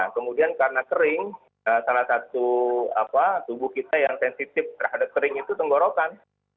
kemudian karena kering salah satu tubuh kita yang sensitif terhadap kering itu tenggorokan